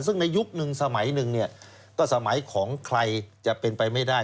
ซึ่งในยุคนึงสมัยหนึ่งเนี่ยก็สมัยของใครจะเป็นไปไม่ได้